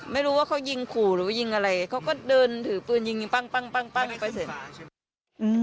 ไม่รู้ว่าเขายิงขู่หรือยิงอะไรเขาก็เดินถือปืนยิงปั้งไปเสร็จใช่ไหม